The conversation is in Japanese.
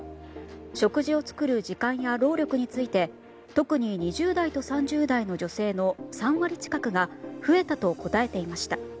食事を作る時間や労力について特に２０代と３０代の女性の３割近くが増えたと答えていました。